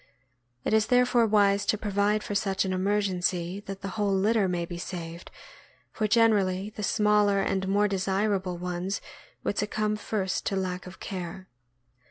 It is therefore wise to provide for such an emergency, that the whole litter may be saved, for generally the smaller and more desirable ones would succumb first to lack of care.